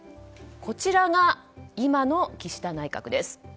こちらが今の岸田内閣です。